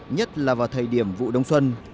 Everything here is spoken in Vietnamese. nhất là vào thời điểm vụ đông xuân